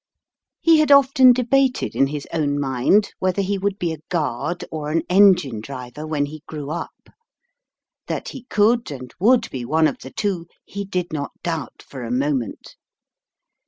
He had often debated in his own mind whether he would be a guard or an engine driver when he grew up ; that he could and would be one of the two, he did not doubt for a moment.